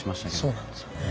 そうなんですよね。